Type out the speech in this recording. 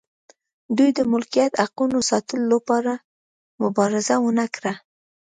دوی د ملکیت حقونو ساتلو لپاره مبارزه ونه کړه.